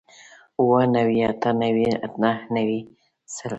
اووه نوي اتۀ نوي نهه نوي سل